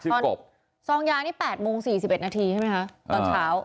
ทรองยานี้๘โมง๔๑นาทีใช่มั้ยคะก่อนเช้า